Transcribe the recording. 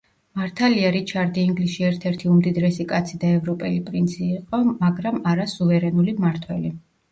მართალია რიჩარდი ინგლისში ერთ-ერთი უმდიდრესი კაცი და ევროპელი პრინცი იყო, მაგრამ არა სუვერენული მმართველი.